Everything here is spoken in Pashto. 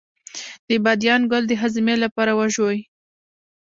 د بادیان ګل د هاضمې لپاره وژويئ